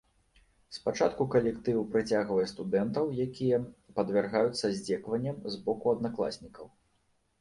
Спачатку калектыў прыцягвае студэнтаў, якія падвяргаюцца здзекаванням з боку аднакласнікаў.